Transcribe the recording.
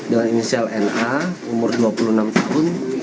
dengan inisial na umur dua puluh enam tahun